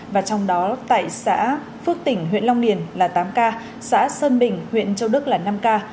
và trong đó tại xã phước tỉnh huyện long điền là tám ca xã sơn bình huyện châu đức là năm ca